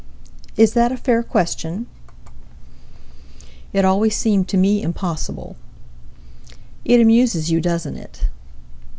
Is that a fair question? It always seemed to me impossible It amuses you, doesn't it?